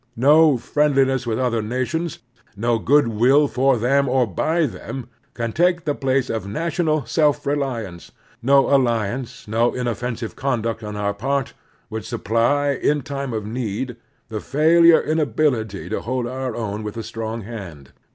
No friendliness with other nations, no good will for them or by them, can take the place of national self reliance. No alli ance, no inoffensive conduct on our part, wotild supply, in time of need, the failure in ability to hold our own with the strong hand.